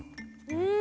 うん！